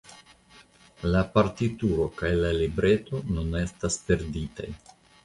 La partituro kaj la libreto nun estas perditaj.